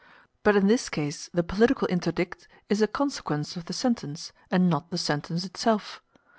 But in this case the political interdict is a consequence of the sentence, and not the sentence itself.